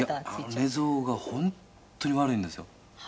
谷村：寝相が本当に悪いんですよ。